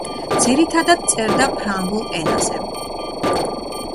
ძირითადად წერდა ფრანგულ ენაზე.